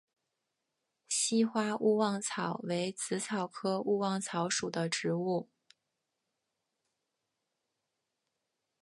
稀花勿忘草为紫草科勿忘草属的植物。